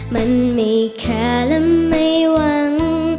มันไม่แคร์และไม่หวัง